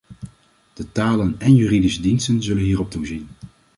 De talen- en juridische diensten zullen hierop toezien.